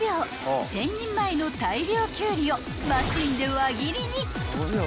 ［１，０００人前の大量キュウリをマシンで輪切りに］